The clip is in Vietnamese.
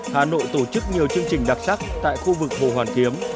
hà nội tổ chức nhiều chương trình đặc sắc tại khu vực hồ hoàn kiếm